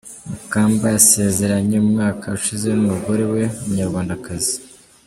Mukamba yasezeranye umwaka ushize n’umugore we w’umunyarwandakazi.